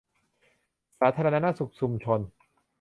สาธารณสุขชุมชน